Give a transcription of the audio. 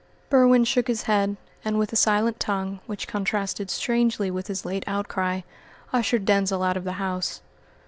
Berwin shook his head, and with a silent tongue, which contrasted strangely with his late outcry, ushered Denzil out of the house.